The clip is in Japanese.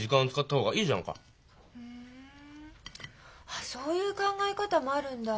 あっそういう考え方もあるんだ。